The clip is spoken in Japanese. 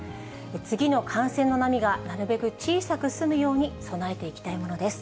次の感染の波がなるべく小さく済むように備えていきたいものです。